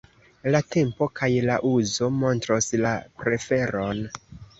La tempo kaj la uzo montros la preferon.